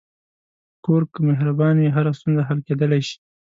کور که مهربان وي، هره ستونزه حل کېدلی شي.